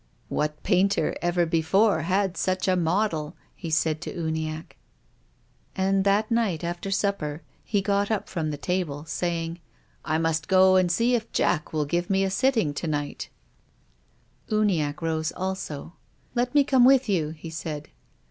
" What painter ever before had such a model ?" he said to Uniacke. And that night after supper, he got up from the table saying :" I must go and sec if Jack will give mc a sitting to night." 96 TONGUES OF CONSCIENCE. Uniacke rose also. " Let me come with you," he said.